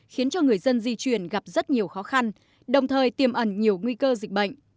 khiến cho người dân di chuyển gặp rất nhiều khó khăn đồng thời tiềm ẩn nhiều nguy cơ dịch bệnh